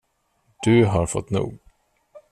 Du har fått nog.